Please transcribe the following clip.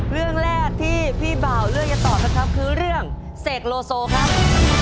เรื่องแรกที่พี่บ่าวเลือกจะตอบนะครับคือเรื่องเสกโลโซครับ